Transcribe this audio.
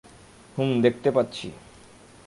হুমম, দেখতে পাচ্ছি।